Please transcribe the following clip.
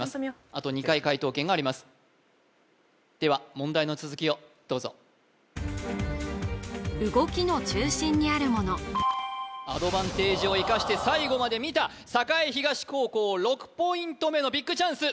あと２回解答権がありますでは問題の続きをどうぞアドバンテージを生かして最後まで見た栄東高校６ポイント目のビッグチャンス